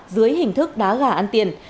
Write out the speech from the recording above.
dưới hình thức đá gà ăn tiền